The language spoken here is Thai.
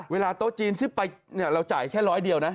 เวลาโต๊ะจีนที่ไปเราจ่ายแค่ร้อยเดียวนะ